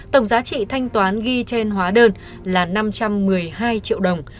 tổng giá trị thanh toán ghi trên hóa đơn là năm trăm một mươi hai triệu đồng